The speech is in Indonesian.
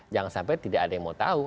jangan sampai tidak ada yang mau tahu